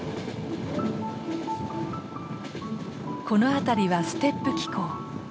この辺りはステップ気候。